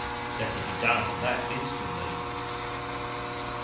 "Let it be done, and that instantly."